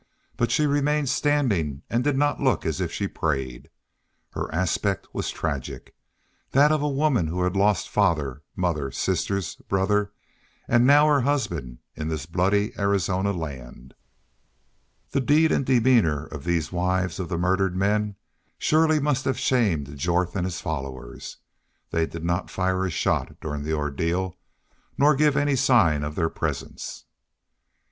But she remained standing and did not look as if she prayed. Her aspect was tragic that of a woman who had lost father, mother, sisters, brother, and now her husband, in this bloody Arizona land. The deed and the demeanor of these wives of the murdered men surely must have shamed Jorth and his followers. They did not fire a shot during the ordeal nor give any sign of their presence.